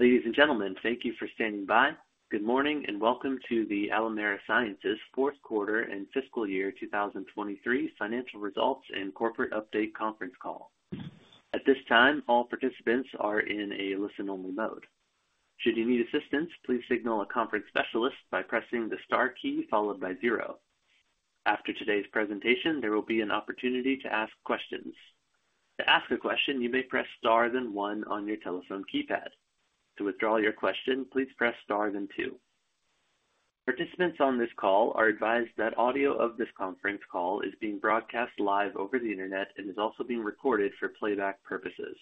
Ladies and gentlemen, thank you for standing by. Good morning, and welcome to the Alimera Sciences fourth quarter and fiscal year 2023 financial results and corporate update conference call. At this time, all participants are in a listen-only mode. Should you need assistance, please signal a conference specialist by pressing the star key followed by zero. After today's presentation, there will be an opportunity to ask questions. To ask a question, you may press star then one on your telephone keypad. To withdraw your question, please press star then two. Participants on this call are advised that audio of this conference call is being broadcast live over the Internet and is also being recorded for playback purposes.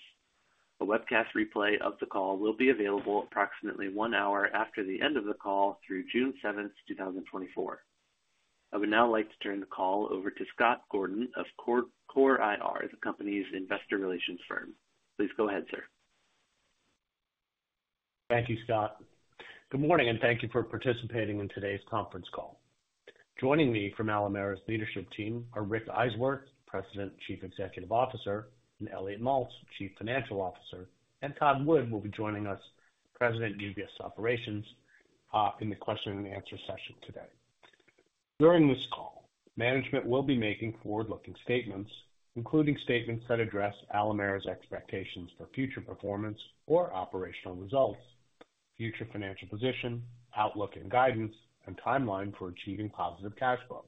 A webcast replay of the call will be available approximately one hour after the end of the call through June 7, 2024. I would now like to turn the call over to Scott Gordon of Core IR, the company's investor relations firm. Please go ahead, sir. Thank you, Scott. Good morning, and thank you for participating in today's conference call. Joining me from Alimera's leadership team are Rick Eiswirth, President and Chief Executive Officer, and Elliot Maltz, Chief Financial Officer, and Todd Wood will be joining us, President, U.S. Operations, in the question and answer session today. During this call, management will be making forward-looking statements, including statements that address Alimera's expectations for future performance or operational results, future financial position, outlook and guidance, and timeline for achieving positive cash flow.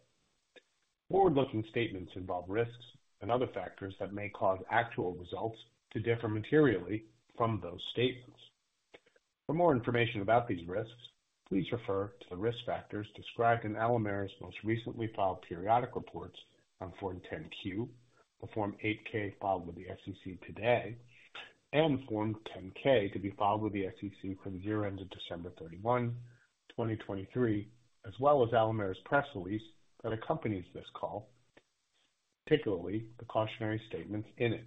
Forward-looking statements involve risks and other factors that may cause actual results to differ materially from those statements. For more information about these risks, please refer to the risk factors described in Alimera's most recently filed periodic reports on Form 10-Q or Form 8-K, filed with the SEC today, and Form 10-K, to be filed with the SEC for the year ended December 31, 2023, as well as Alimera's press release that accompanies this call, particularly the cautionary statements in it.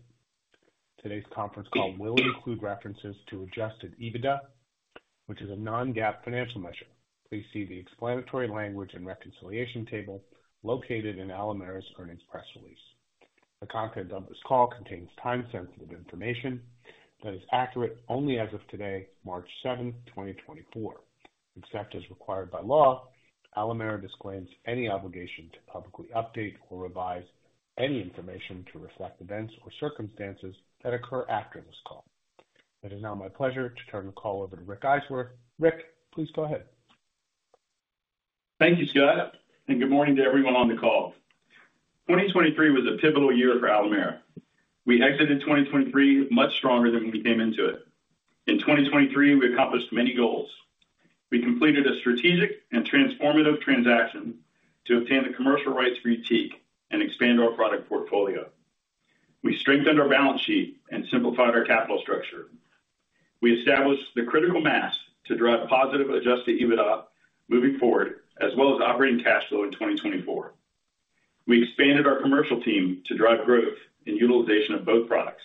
Today's conference call will include references to Adjusted EBITDA, which is a non-GAAP financial measure. Please see the explanatory language and reconciliation table located in Alimera's earnings press release. The content of this call contains time-sensitive information that is accurate only as of today, March 7, 2024. Except as required by law, Alimera disclaims any obligation to publicly update or revise any information to reflect events or circumstances that occur after this call. It is now my pleasure to turn the call over to Rick Eiswirth. Rick, please go ahead. Thank you, Scott, and good morning to everyone on the call. 2023 was a pivotal year for Alimera. We exited 2023 much stronger than we came into it. In 2023, we accomplished many goals. We completed a strategic and transformative transaction to obtain the commercial rights for YUTIQ and expand our product portfolio. We strengthened our balance sheet and simplified our capital structure. We established the critical mass to drive positive Adjusted EBITDA moving forward, as well as operating cash flow in 2024. We expanded our commercial team to drive growth and utilization of both products,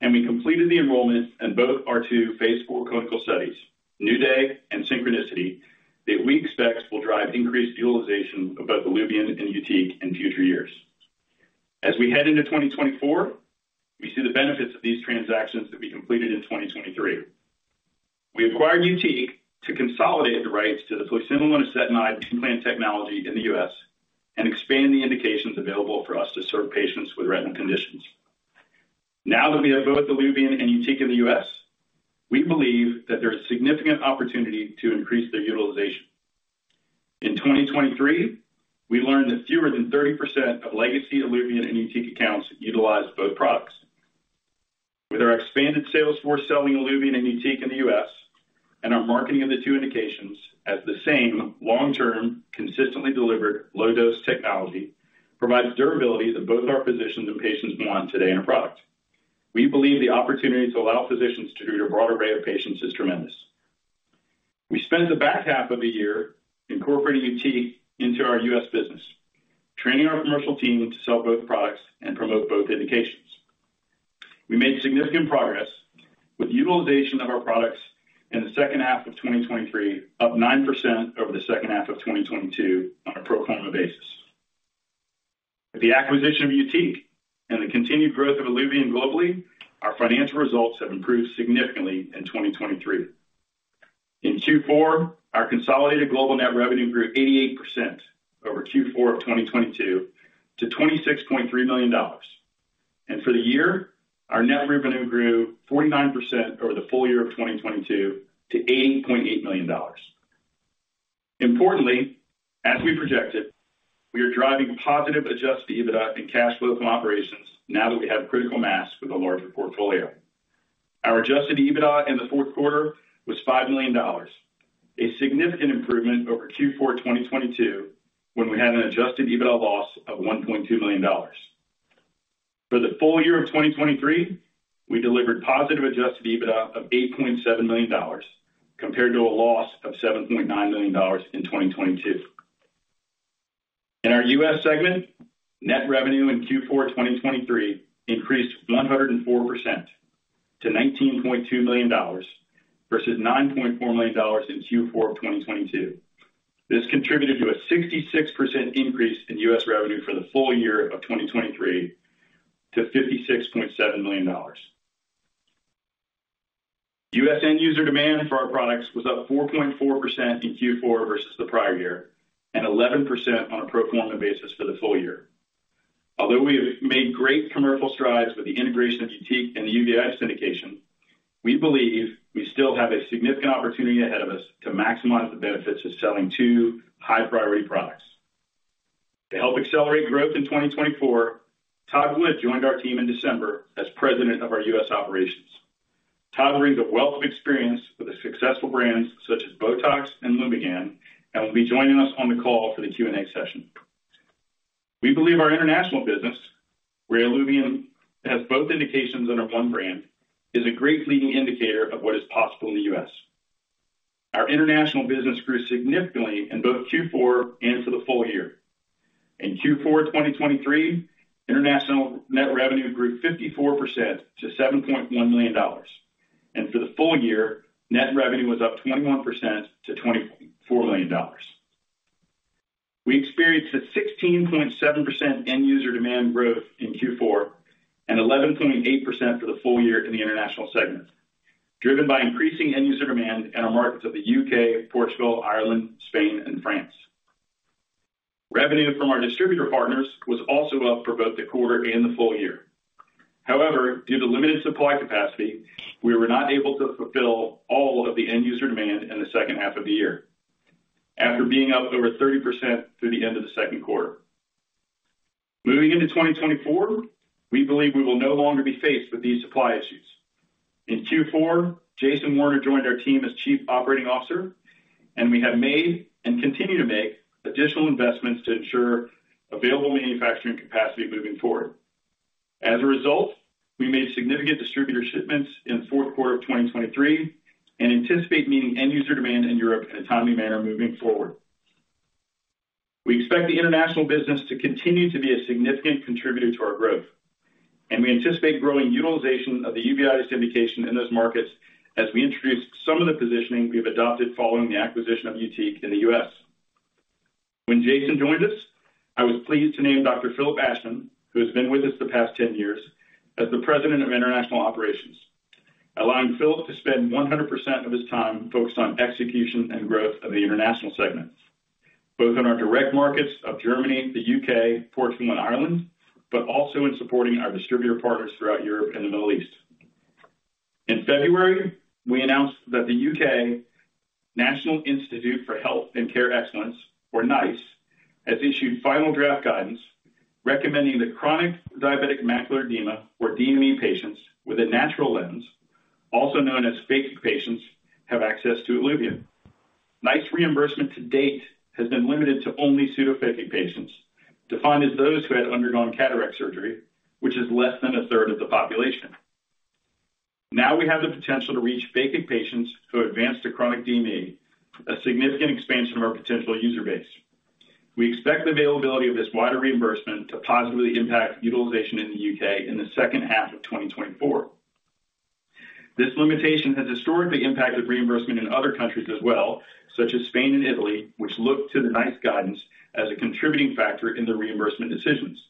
and we completed the enrollment in both our two phase four clinical studies, NEW DAY and SYNCHRONICITY, that we expect will drive increased utilization of both ILUVIEN and YUTIQ in future years. As we head into 2024, we see the benefits of these transactions that we completed in 2023. We acquired YUTIQ to consolidate the rights to the fluocinolone acetonide implant technology in the U.S. and expand the indications available for us to serve patients with retinal conditions. Now that we have both ILUVIEN and YUTIQ in the US, we believe that there is significant opportunity to increase their utilization. In 2023, we learned that fewer than 30% of legacy ILUVIEN and YUTIQ accounts utilized both products. With our expanded sales force selling ILUVIEN and YUTIQ in the U.S. and our marketing of the two indications as the same long-term, consistently delivered, low-dose technology, provides durability that both our physicians and patients want today in our product. We believe the opportunity to allow physicians to treat a broader array of patients is tremendous. We spent the back half of the year incorporating YUTIQ into our U.S. business, training our commercial team to sell both products and promote both indications. We made significant progress with utilization of our products in the second half of 2023, up 9% over the second half of 2022 on a pro forma basis. With the acquisition of YUTIQ and the continued growth of ILUVIEN globally, our financial results have improved significantly in 2023. In Q4, our consolidated global net revenue grew 88% over Q4 of 2022 to $26.3 million. For the year, our net revenue grew 49% over the full year of 2022 to $80.8 million. Importantly, as we projected, we are driving positive Adjusted EBITDA and cash flow from operations now that we have critical mass with a larger portfolio. Our adjusted EBITDA in the fourth quarter was $5 million, a significant improvement over Q4 2022, when we had an adjusted EBITDA loss of $1.2 million. For the full year of 2023, we delivered positive adjusted EBITDA of $8.7 million, compared to a loss of $7.9 million in 2022. In our U.S. segment, net revenue in Q4 2023 increased 104% to $19.2 million versus $9.4 million in Q4 of 2022. This contributed to a 66% increase in U.S. revenue for the full year of 2023... to $56.7 million. U.S. end user demand for our products was up 4.4% in Q4 versus the prior year, and 11% on a pro forma basis for the full year. Although we have made great commercial strides with the integration of YUTIQ and the uveitis indication, we believe we still have a significant opportunity ahead of us to maximize the benefits of selling two high-priority products. To help accelerate growth in 2024, Todd Wood joined our team in December as President of our U.S. operations. Todd brings a wealth of experience with the successful brands such as Botox and Lumigan, and will be joining us on the call for the Q&A session. We believe our international business, where ILUVIEN has both indications under one brand, is a great leading indicator of what is possible in the U.S. Our international business grew significantly in both Q4 and for the full year. In Q4 2023, international net revenue grew 54% to $7.1 million, and for the full year, net revenue was up 21% to $24 million. We experienced a 16.7% end user demand growth in Q4 and 11.8% for the full year in the international segment, driven by increasing end user demand in our markets of the UK, Portugal, Ireland, Spain and France. Revenue from our distributor partners was also up for both the quarter and the full year. However, due to limited supply capacity, we were not able to fulfill all of the end user demand in the second half of the year, after being up over 30% through the end of the second quarter. Moving into 2024, we believe we will no longer be faced with these supply issues. In Q4, Jason Werner joined our team as Chief Operating Officer, and we have made and continue to make additional investments to ensure available manufacturing capacity moving forward. As a result, we made significant distributor shipments in the fourth quarter of 2023 and anticipate meeting end user demand in Europe in a timely manner moving forward. We expect the international business to continue to be a significant contributor to our growth, and we anticipate growing utilization of the Uveitis indication in those markets as we introduce some of the positioning we have adopted following the acquisition of YUTIQ in the U.S. When Jason joined us, I was pleased to name Dr. Philip Ashman, who has been with us the past 10 years, as the President of International Operations, allowing Philip to spend 100% of his time focused on execution and growth of the international segment, both in our direct markets of Germany, the U.K., Portugal, and Ireland, but also in supporting our distributor partners throughout Europe and the Middle East. In February, we announced that the U.K. National Institute for Health and Care Excellence, or NICE, has issued final draft guidance recommending that chronic Diabetic Macular Edema, or DME, patients with a natural lens, also known as phakic patients, have access to ILUVIEN. NICE reimbursement to date has been limited to only pseudophakic patients, defined as those who had undergone cataract surgery, which is less than a third of the population. Now we have the potential to reach phakic patients who advanced to chronic DME, a significant expansion of our potential user base. We expect the availability of this wider reimbursement to positively impact utilization in the U.K. in the second half of 2024. This limitation has historically impacted reimbursement in other countries as well, such as Spain and Italy, which look to the NICE guidance as a contributing factor in their reimbursement decisions.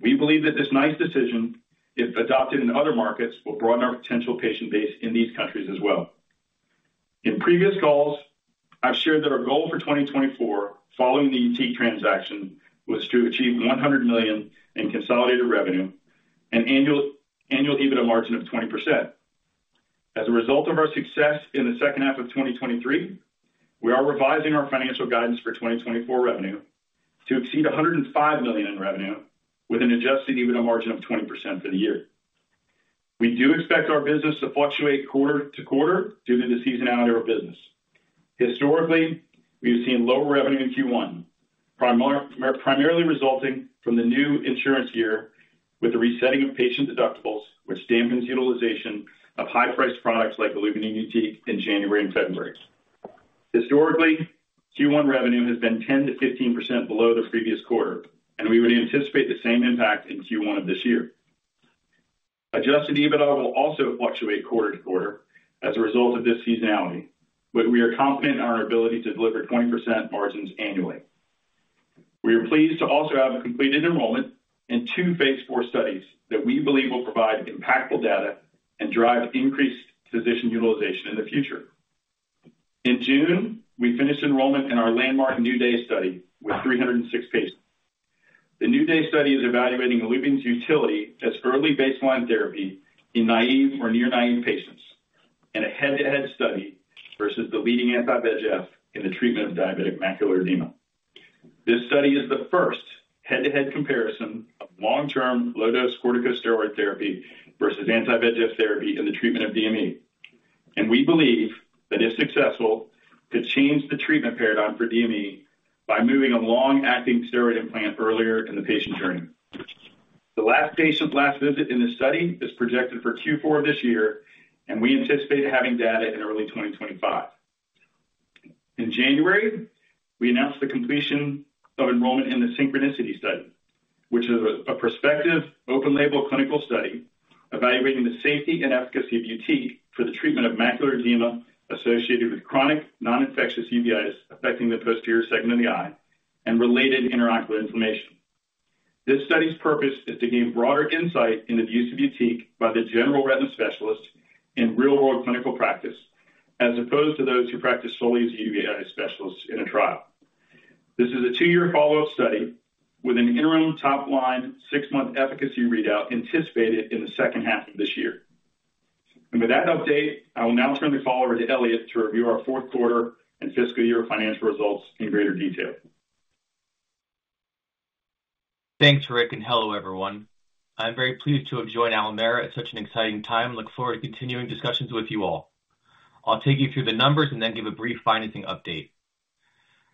We believe that this NICE decision, if adopted in other markets, will broaden our potential patient base in these countries as well. In previous calls, I've shared that our goal for 2024 following the YUTIQ transaction, was to achieve $100 million in consolidated revenue and annual EBITDA margin of 20%. As a result of our success in the second half of 2023, we are revising our financial guidance for 2024 revenue to exceed $105 million in revenue, with an Adjusted EBITDA margin of 20% for the year. We do expect our business to fluctuate quarter to quarter due to the seasonality of our business. Historically, we've seen lower revenue in Q1, primarily resulting from the new insurance year with the resetting of patient deductibles, which dampens utilization of high-priced products like ILUVIEN and YUTIQ in January and February. Historically, Q1 revenue has been 10%-15% below the previous quarter, and we would anticipate the same impact in Q1 of this year. Adjusted EBITDA will also fluctuate quarter to quarter as a result of this seasonality, but we are confident in our ability to deliver 20% margins annually. We are pleased to also have a completed enrollment in two phase four studies that we believe will provide impactful data and drive increased physician utilization in the future. In June, we finished enrollment in our landmark NEW DAY study with 306 patients. The NEW DAY study is evaluating ILUVIEN's utility as early baseline therapy in naive or near-naive patients, in a head-to-head study versus the leading anti-VEGF in the treatment of diabetic macular edema. This study is the first head-to-head comparison of long-term low-dose corticosteroid therapy versus anti-VEGF therapy in the treatment of DME. And we believe that if successful, could change the treatment paradigm for DME by moving a long-acting steroid implant earlier in the patient journey. The last patient last visit in this study is projected for Q4 this year, and we anticipate having data in early 2025. In January, we announced the completion of enrollment in the SYNCHRONICITY Study, which is a prospective open-label clinical study evaluating the safety and efficacy of YUTIQ for the treatment of macular edema associated with chronic non-infectious uveitis, affecting the posterior segment of the eye and related intraocular inflammation. This study's purpose is to gain broader insight into the use of YUTIQ by the general retina specialist in real-world clinical practice, as opposed to those who practice solely as uveitis specialists in a trial. This is a two-year follow-up study with an interim top-line six-month efficacy readout anticipated in the second half of this year. And with that update, I will now turn the call over to Elliot to review our fourth quarter and fiscal year financial results in greater detail. Thanks, Rick, and hello, everyone. I'm very pleased to have joined Alimera at such an exciting time. Look forward to continuing discussions with you all. I'll take you through the numbers and then give a brief financing update.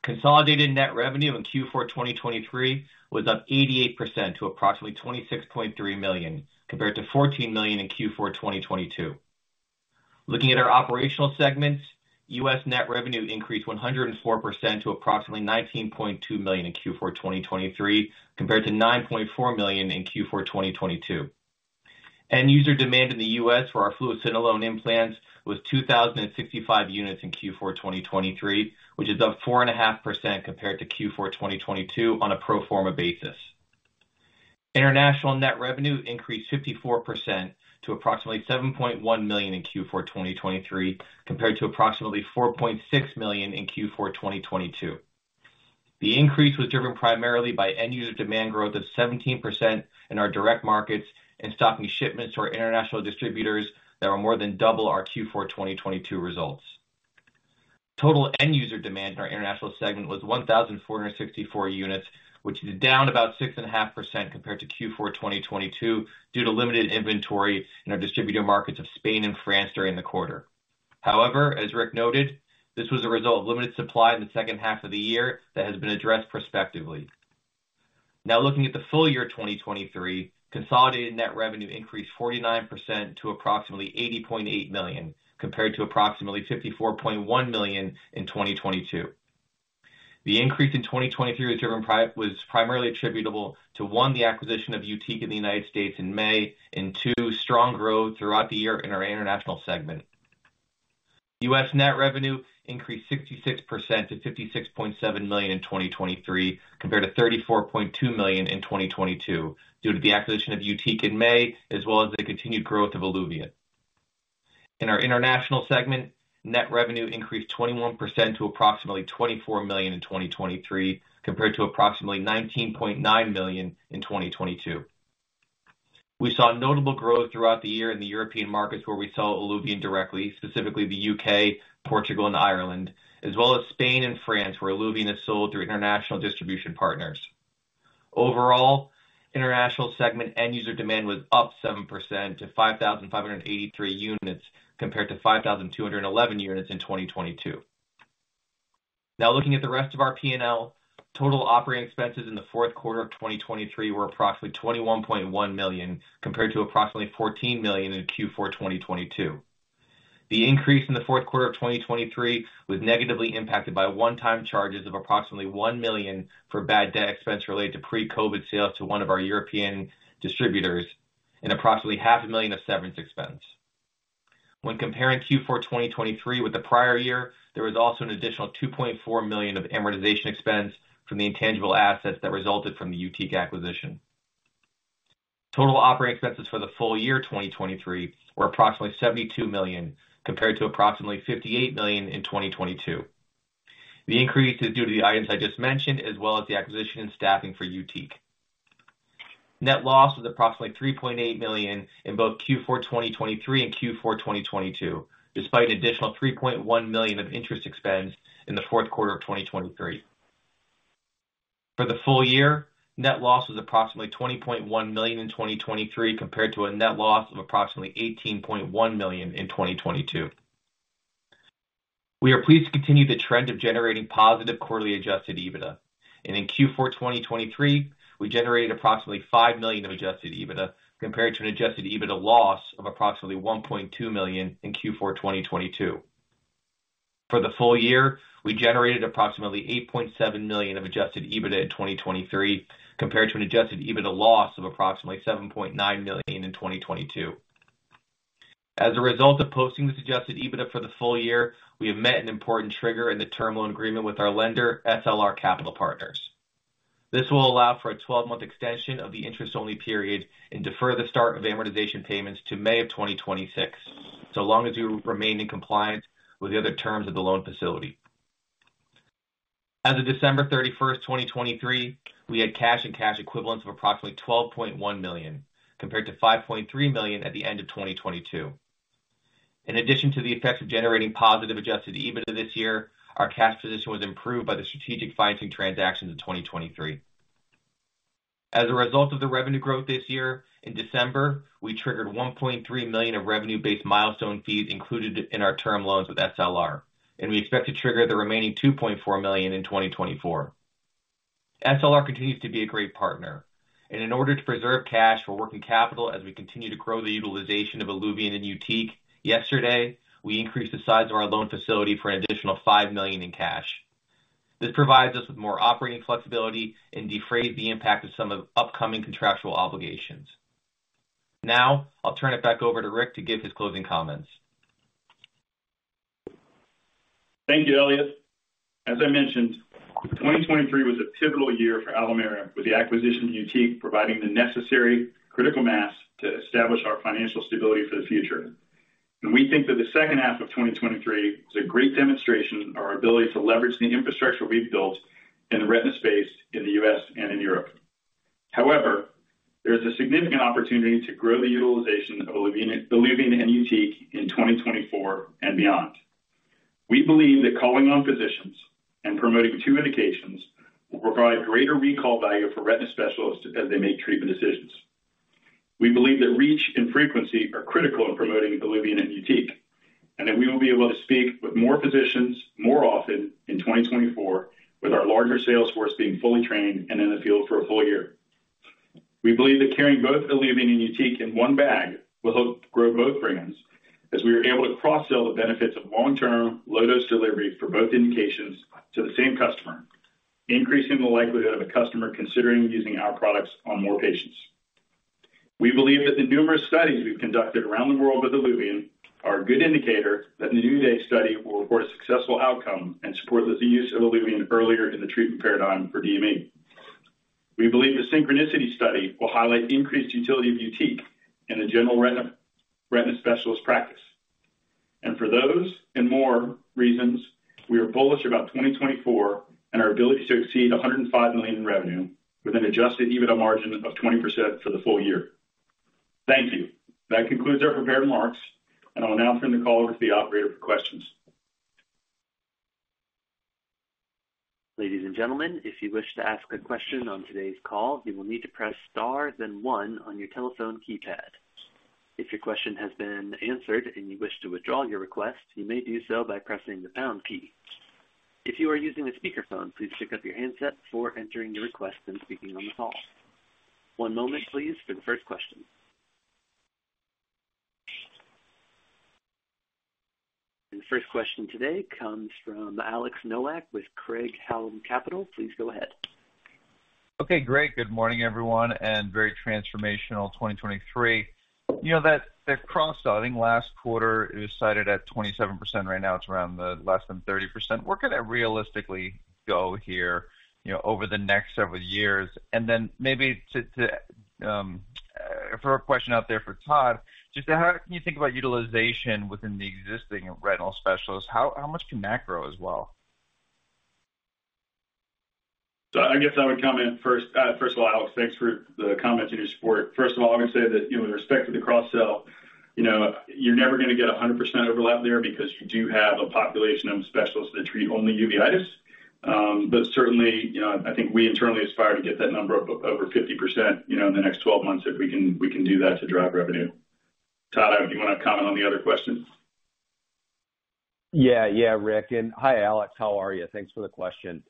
Consolidated net revenue in Q4 2023 was up 88% to approximately $26.3 million, compared to $14 million in Q4 2022. Looking at our operational segments, U.S. net revenue increased 104% to approximately $19.2 million in Q4 2023, compared to $9.4 million in Q4 2022. End user demand in the U.S. for our fluocinolone implants was 2,065 units in Q4 2023, which is up 4.5% compared to Q4 2022 on a pro forma basis. International net revenue increased 54% to approximately $7.1 million in Q4 2023, compared to approximately $4.6 million in Q4 2022. The increase was driven primarily by end user demand growth of 17% in our direct markets and stocking shipments to our international distributors that were more than double our Q4 2022 results. Total end user demand in our international segment was 1,464 units, which is down about 6.5% compared to Q4 2022, due to limited inventory in our distributor markets of Spain and France during the quarter. However, as Rick noted, this was a result of limited supply in the second half of the year that has been addressed prospectively. Now, looking at the full year 2023, consolidated net revenue increased 49% to approximately $80.8 million, compared to approximately $54.1 million in 2022. The increase in 2023 was primarily attributable to, one, the acquisition of YUTIQ in the United States in May, and two, strong growth throughout the year in our international segment. U.S. net revenue increased 66% to $56.7 million in 2023, compared to $34.2 million in 2022, due to the acquisition of YUTIQ in May, as well as the continued growth of ILUVIEN. In our international segment, net revenue increased 21% to approximately $24 million in 2023, compared to approximately $19.9 million in 2022. We saw notable growth throughout the year in the European markets, where we sell ILUVIEN directly, specifically the U.K., Portugal, and Ireland, as well as Spain and France, where ILUVIEN is sold through international distribution partners. Overall, international segment end user demand was up 7% to 5,583 units, compared to 5,211 units in 2022. Now, looking at the rest of our P&L, total operating expenses in the fourth quarter of 2023 were approximately $21.1 million, compared to approximately $14 million in Q4 2022. The increase in the fourth quarter of 2023 was negatively impacted by one-time charges of approximately $1 million for bad debt expense related to pre-COVID sales to one of our European distributors and approximately $500,000 of severance expense. When comparing Q4 2023 with the prior year, there was also an additional $2.4 million of amortization expense from the intangible assets that resulted from the YUTIQ acquisition. Total operating expenses for the full year 2023 were approximately $72 million, compared to approximately $58 million in 2022. The increase is due to the items I just mentioned, as well as the acquisition and staffing for YUTIQ. Net loss was approximately $3.8 million in both Q4 2023 and Q4 2022, despite an additional $3.1 million of interest expense in the fourth quarter of 2023. For the full year, net loss was approximately $20.1 million in 2023, compared to a net loss of approximately $18.1 million in 2022. We are pleased to continue the trend of generating positive quarterly adjusted EBITDA, and in Q4 2023, we generated approximately $5 million of adjusted EBITDA compared to an adjusted EBITDA loss of approximately $1.2 million in Q4 2022. For the full year, we generated approximately $8.7 million of adjusted EBITDA in 2023, compared to an adjusted EBITDA loss of approximately $7.9 million in 2022. As a result of posting this adjusted EBITDA for the full year, we have met an important trigger in the term loan agreement with our lender, SLR Capital Partners. This will allow for a 12-month extension of the interest-only period and defer the start of amortization payments to May of 2026, so long as we remain in compliance with the other terms of the loan facility. As of December 31, 2023, we had cash and cash equivalents of approximately $12.1 million, compared to $5.3 million at the end of 2022. In addition to the effects of generating positive Adjusted EBITDA this year, our cash position was improved by the strategic financing transactions in 2023. As a result of the revenue growth this year, in December, we triggered $1.3 million of revenue-based milestone fees included in our term loans with SLR, and we expect to trigger the remaining $2.4 million in 2024. SLR continues to be a great partner, and in order to preserve cash for working capital as we continue to grow the utilization of ILUVIEN and YUTIQ, yesterday, we increased the size of our loan facility for an additional $5 million in cash. This provides us with more operating flexibility and defray the impact of some of upcoming contractual obligations. Now, I'll turn it back over to Rick to give his closing comments. Thank you, Elliot. As I mentioned, 2023 was a pivotal year for Alimera, with the acquisition of YUTIQ providing the necessary critical mass to establish our financial stability for the future. We think that the second half of 2023 was a great demonstration of our ability to leverage the infrastructure we've built in the retina space in the U.S. and in Europe. However, there is a significant opportunity to grow the utilization of ILUVIEN, ILUVIEN and YUTIQ in 2024 and beyond. We believe that calling on physicians and promoting two indications will provide greater recall value for retina specialists as they make treatment decisions. We believe that reach and frequency are critical in promoting ILUVIEN and YUTIQ, and that we will be able to speak with more physicians more often in 2024, with our larger sales force being fully trained and in the field for a full year. We believe that carrying both ILUVIEN and YUTIQ in one bag will help grow both brands, as we are able to cross-sell the benefits of long-term, low-dose delivery for both indications to the same customer, increasing the likelihood of a customer considering using our products on more patients. We believe that the numerous studies we've conducted around the world with ILUVIEN are a good indicator that the NEW DAY Study will report a successful outcome and support the use of ILUVIEN earlier in the treatment paradigm for DME. We believe the SYNCHRONICITY Study will highlight the increased utility of YUTIQ in the general retina, retina specialist practice. For those and more reasons, we are bullish about 2024 and our ability to exceed $105 million in revenue with an Adjusted EBITDA margin of 20% for the full year. Thank you. That concludes our prepared remarks, and I'll now turn the call over to the operator for questions. Ladies and gentlemen, if you wish to ask a question on today's call, you will need to press star, then one on your telephone keypad. If your question has been answered and you wish to withdraw your request, you may do so by pressing the pound key. If you are using a speakerphone, please pick up your handset before entering your request and speaking on the call. One moment, please, for the first question. The first question today comes from Alex Nowak with Craig-Hallum Capital. Please go ahead. Okay, great. Good morning, everyone, and very transformational 2023. You know, that, the cross-selling last quarter is cited at 27%. Right now, it's around less than 30%. Where could I realistically go here, you know, over the next several years? And then maybe too, for a question out there for Todd, just how can you think about utilization within the existing retinal specialists? How much can that grow as well? So I guess I would comment first. First of all, Alex, thanks for the comments and your support. First of all, I'm gonna say that, you know, with respect to the cross-sell, you know, you're never gonna get 100% overlap there because you do have a population of specialists that treat only uveitis. But certainly, you know, I think we internally aspire to get that number over 50%, you know, in the next 12 months, if we can, we can do that to drive revenue. Todd, do you want to comment on the other questions? Yeah. Yeah, Rick, and hi, Alex. How are you? Thanks for the question.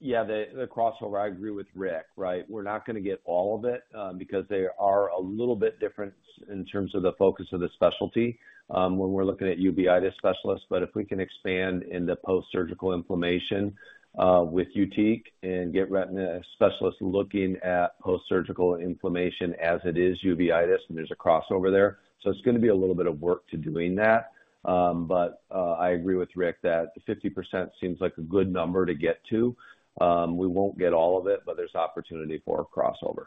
Yeah, the crossover, I agree with Rick, right? We're not gonna get all of it, because they are a little bit different in terms of the focus of the specialty, when we're looking at uveitis specialists. But if we can expand in the postsurgical inflammation, with YUTIQ and get retina specialists looking at postsurgical inflammation as it is uveitis, and there's a crossover there. So it's gonna be a little bit of work to doing that, but, I agree with Rick that 50% seems like a good number to get to. We won't get all of it, but there's opportunity for a crossover.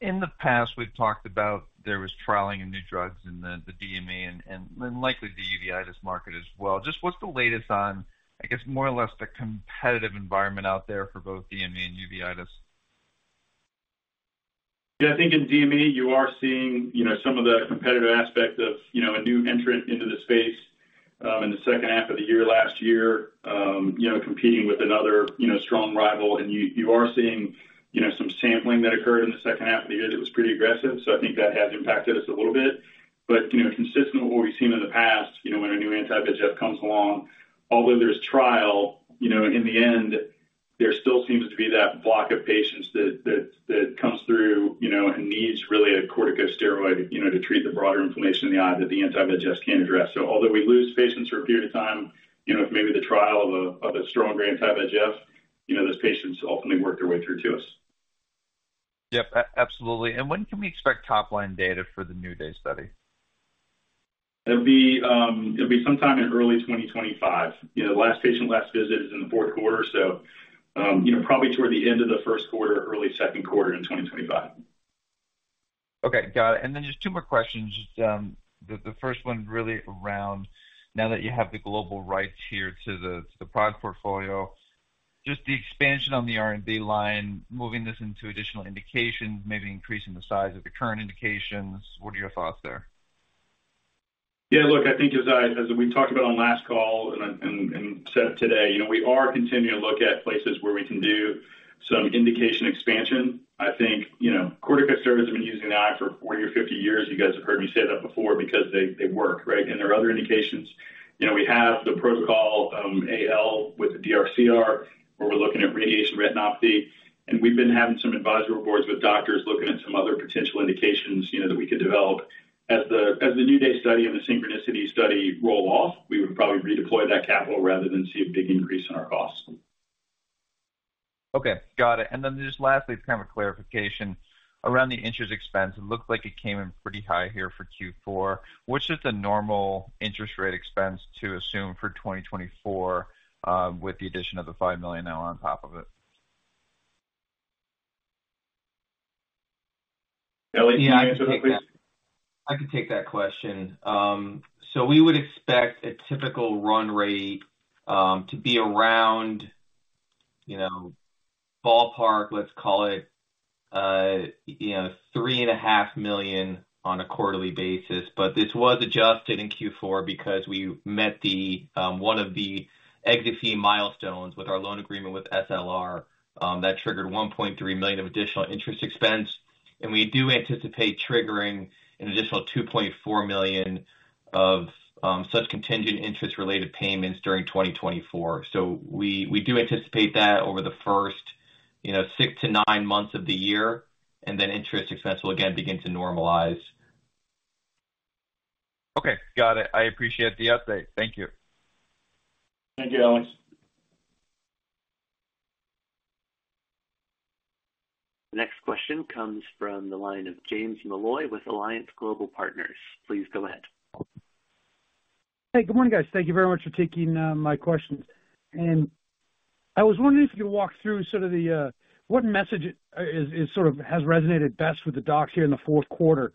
In the past, we've talked about there was trialing in new drugs in the DME and likely the uveitis market as well. Just what's the latest on, I guess, more or less, the competitive environment out there for both DME and uveitis? Yeah, I think in DME, you are seeing, you know, some of the competitive aspect of, you know, a new entrant into the space, in the second half of the year, last year, you know, competing with another, you know, strong rival. And you are seeing, you know, some sampling that occurred in the second half of the year that was pretty aggressive, so I think that has impacted us a little bit. But, you know, consistent with what we've seen in the past, you know, when a new anti-VEGF comes along, although there's trial, you know, in the end, there still seems to be that block of patients that comes through, you know, and needs really a corticosteroid, you know, to treat the broader inflammation in the eye that the anti-VEGF can't address. Although we lose patients for a period of time, you know, if maybe the trial of a stronger anti-VEGF, you know, those patients ultimately work their way through to us. Yep, absolutely. And when can we expect top-line data for the NEW DAY Study? It'll be sometime in early 2025. You know, the last patient, last visit is in the fourth quarter, so, you know, probably toward the end of the first quarter, early second quarter in 2025. Okay, got it. And then just two more questions. Just, the first one really around now that you have the global rights here to the product portfolio, just the expansion on the R&D line, moving this into additional indications, maybe increasing the size of the current indications. What are your thoughts there? Yeah, look, I think as we talked about on last call and said today, you know, we are continuing to look at places where we can do some indication expansion. I think, you know, corticosteroids have been used in the eye for 40 or 50 years. You guys have heard me say that before because they work, right? And there are other indications. You know, we have the Protocol AL, which is the DRCR, where we're looking at radiation retinopathy, and we've been having some advisory boards with doctors looking at some other potential indications, you know, that we could develop. As the NEW DAY Study and the SYNCHRONICITY Study roll off, we would probably redeploy that capital rather than see a big increase in our costs. Okay, got it. Then just lastly, kind of a clarification around the interest expense. It looks like it came in pretty high here for Q4. What's just a normal interest expense to assume for 2024, with the addition of the $5 million now on top of it? Elliot, can you answer that, please? I can take that. I can take that question. So we would expect a typical run rate to be around, you know, ballpark, let's call it, you know, $3.5 million on a quarterly basis. But this was adjusted in Q4 because we met the one of the exit fee milestones with our loan agreement with SLR that triggered $1.3 million of additional interest expense. And we do anticipate triggering an additional $2.4 million of such contingent interest-related payments during 2024. So we, we do anticipate that over the first, you know, six to nine months of the year, and then interest expense will again begin to normalize. Okay, got it. I appreciate the update. Thank you. Thank you, Owens. The next question comes from the line of James Molloy with Alliance Global Partners. Please go ahead. Hey, good morning, guys. Thank you very much for taking my questions. I was wondering if you could walk through sort of the what message has resonated best with the docs here in the fourth quarter,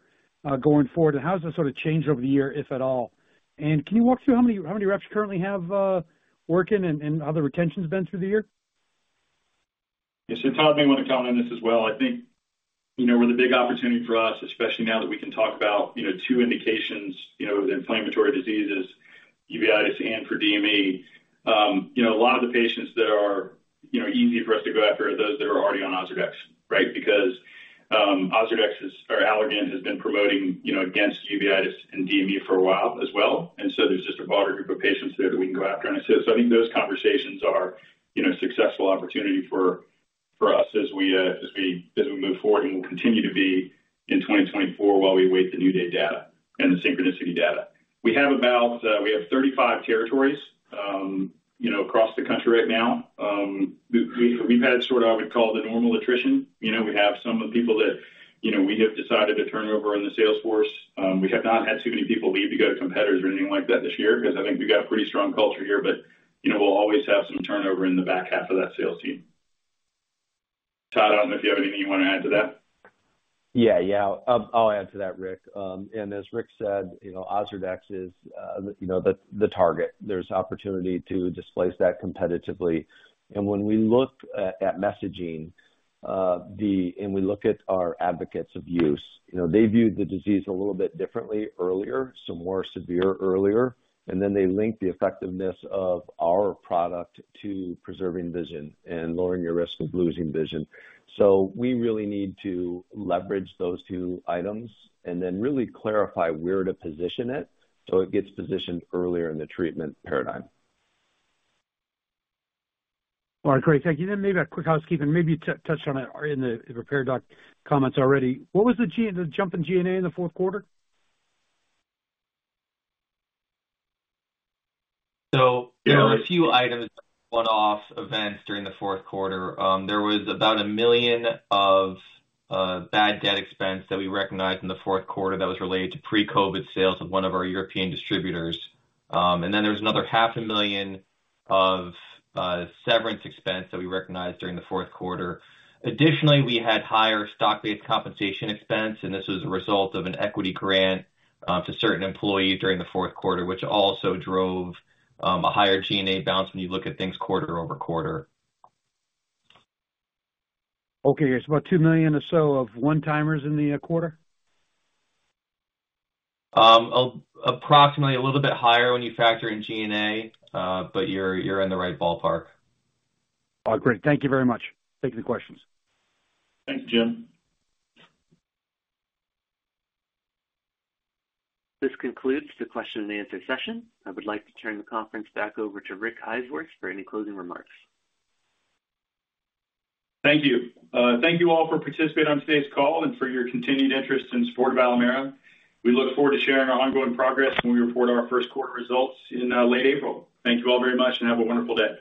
going forward, and how has that sort of changed over the year, if at all? Can you walk through how many reps you currently have working and how the retention's been through the year? Yes, so Todd may want to comment on this as well. I think, you know, where the big opportunity for us, especially now that we can talk about, you know, two indications, you know, with inflammatory diseases, uveitis and for DME. You know, a lot of the patients that are, you know, easy for us to go after are those that are already on Ozurdex, right? Because, Ozurdex is, or Allergan has been promoting, you know, against uveitis and DME for a while as well. And so there's just a broader group of patients there that we can go after. And so I think those conversations are, you know, a successful opportunity for us as we move forward and will continue to be in 2024 while we await the NEW DAY data and the SYNCHRONICITY data. We have about, we have 35 territories, you know, across the country right now. We, we've had sort of, I would call it, a normal attrition. You know, we have some of the people that, you know, we have decided to turn over in the sales force. We have not had too many people leave to go to competitors or anything like that this year because I think we've got a pretty strong culture here. But, you know, we'll always have some turnover in the back half of that sales team. Todd, I don't know if you have anything you want to add to that? Yeah. Yeah, I'll add to that, Rick. And as Rick said, you know, Ozurdex is the target. There's opportunity to displace that competitively. And when we look at messaging, and we look at our advocates of use, you know, they viewed the disease a little bit differently earlier, so more severe earlier, and then they linked the effectiveness of our product to preserving vision and lowering your risk of losing vision. So we really need to leverage those two items and then really clarify where to position it, so it gets positioned earlier in the treatment paradigm. All right, great. Thank you. Then maybe a quick housekeeping. Maybe you touched on it or in the prepared doc comments already. What was the jump in G&A in the fourth quarter? So there were a few items, one-off events during the fourth quarter. There was about $1 million of bad debt expense that we recognized in the fourth quarter that was related to pre-COVID sales of one of our European distributors. And then there was another $500,000 of severance expense that we recognized during the fourth quarter. Additionally, we had higher stock-based compensation expense, and this was a result of an equity grant to certain employees during the fourth quarter, which also drove a higher G&A balance when you look at things quarter-over-quarter. Okay, it's about $2 million or so of one-timers in the quarter? Approximately a little bit higher when you factor in G&A, but you're in the right ballpark. All right, great. Thank you very much. Thank you for the questions. Thanks, Jim. This concludes the question and answer session. I would like to turn the conference back over to Rick Eiswirth for any closing remarks. Thank you. Thank you all for participating on today's call and for your continued interest in support of Alimera. We look forward to sharing our ongoing progress when we report our first quarter results in, late April. Thank you all very much, and have a wonderful day.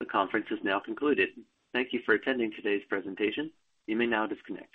The conference is now concluded. Thank you for attending today's presentation. You may now disconnect.